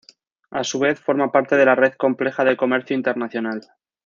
A su vez forma parte de la red compleja de comercio internacional.